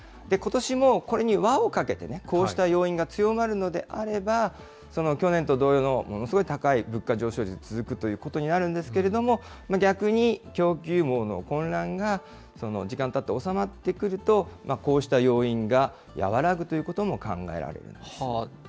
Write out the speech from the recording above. ことしもこれに輪をかけて、こうした要因が強まるのであれば、その去年と同様のものすごい高い物価上昇率が続くということになるんですけれども、逆に供給網の混乱が、時間がたって収まってくると、こうした要因が和らぐということも考えられるんですね。